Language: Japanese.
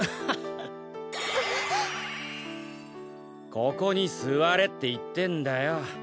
ここにすわれっていってんだよ。